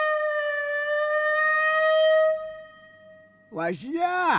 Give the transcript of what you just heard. わしじゃあ！